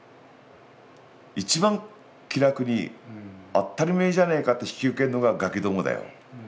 一番気楽に「当ったりめえじゃねえか」って引き受けるのがガキどもだよ。